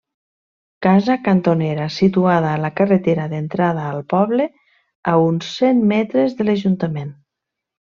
Casa cantonera situada a la carretera d'entrada al poble, a uns cent metres de l'ajuntament.